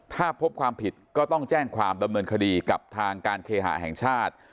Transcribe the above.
ถ้าพบความผิดก็ต้องแจ้งความดำเนินคดีกับทางการเคหาแห่งชาติ